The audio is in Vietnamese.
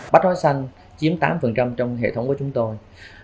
bát hóa xanh chiếm tám trong hệ thống của chúng tôi